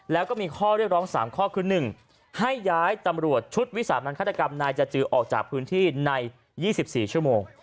แล้วก็มีข้อเรียกร้อง๓ข้อคือ๑ให้ย้ายตำรวจชุดวิสามันฆาตกรรมนายจจือออกจากพื้นที่ใน๒๔ชั่วโมง